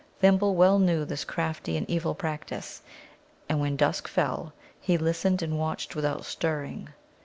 Thimble well knew this crafty and evil practice, and when dusk fell, he listened and watched without stirring.